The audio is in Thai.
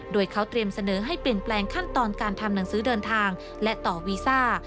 โดยเขาเตรียมเสนอให้เปลี่ยนแปลงขั้นตอนการทำหนังสือเดินทางและต่อวีซ่า